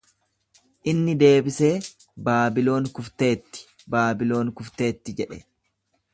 Inni deebisee, Baabiloon kufteetti, Baabiloon kufteetti jedhe.